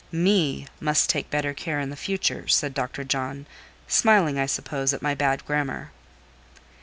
"'Me' must take better care in future," said Dr. John—smiling, I suppose, at my bad grammar.